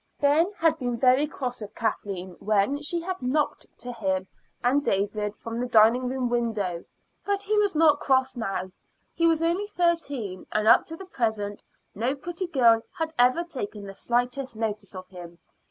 Ben had been very cross with Kathleen when she had knocked to him and David from the dining room window, but he was not cross now. He was only thirteen, and up to the present no pretty girl had ever taken the slightest notice of him.